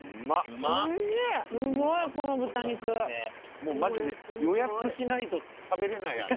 もうマジで予約しないと食べれない味。